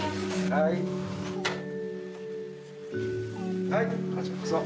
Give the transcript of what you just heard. はいこちらこそ。